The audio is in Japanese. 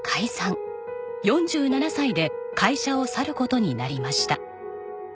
４７歳で会社を去る事になりました。